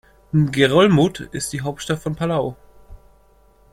Ngerulmud ist die Hauptstadt von Palau.